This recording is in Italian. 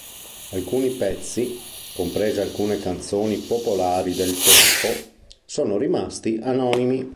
Alcuni pezzi, comprese alcune canzoni popolari del tempo, sono rimasti anonimi.